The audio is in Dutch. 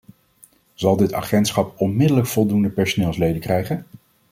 Zal dit agentschap onmiddellijk voldoende personeelsleden krijgen?